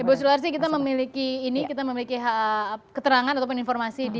ya bu sularsi kita memiliki ini kita memiliki keterangan ataupun informasi di